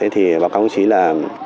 báo cáo công trí là